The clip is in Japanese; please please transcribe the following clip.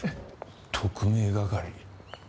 特命係？